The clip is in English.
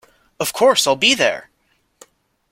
Of course, I’ll be there!